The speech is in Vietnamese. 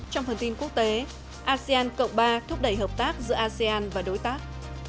trong phần tin quốc tế asean cộng ba thúc đẩy hợp tác giữa asean và đối tác